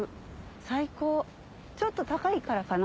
最高ちょっと高いからかな？